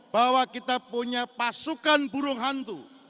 bahwa kita punya pasukan burung hantu